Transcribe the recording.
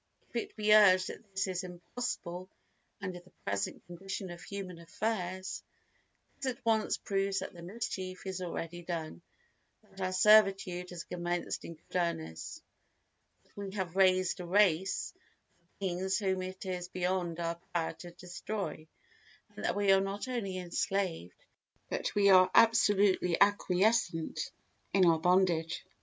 If it be urged that this is impossible under the present condition of human affairs, this at once proves that the mischief is already done, that our servitude has commenced in good earnest, that we have raised a race of beings whom it is beyond our power to destroy and that we are not only enslaved but are absolutely acquiescent in our bondage.